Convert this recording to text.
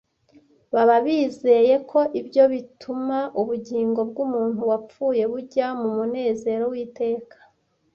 Baba bizeye ko ibyo bituma ubugingo bw’umuntu wapfuye bujya mu munezero w’iteka